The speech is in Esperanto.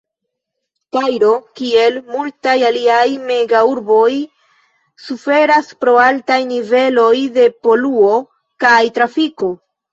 Kairo, kiel multaj aliaj mega-urboj, suferas pro altaj niveloj de poluo kaj trafiko.